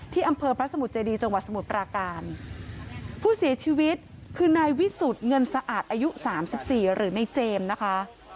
อำเภอพระสมุทรเจดีจังหวัดสมุทรปราการผู้เสียชีวิตคือนายวิสุทธิ์เงินสะอาดอายุสามสิบสี่หรือในเจมส์นะคะ